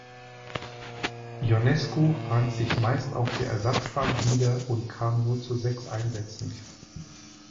Ionescu fand sich meist auf der Ersatzbank wieder und kam nur zu sechs Einsätzen.